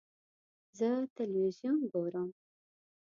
زه تلویزیون ګورم.